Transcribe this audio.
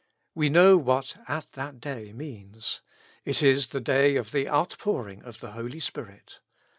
'' We know what '' at that day '' means. It is the day of the outpouring of the Holy Spirit.